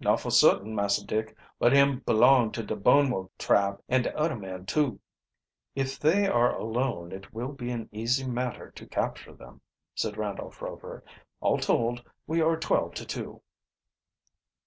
"Not fo' certain, Massah Dick. But him belong to de Burnwo tribe, an' de udder man too." "If they are all alone it will be an easy matter to capture them," said Randolph Rover. "All told, we are twelve to two."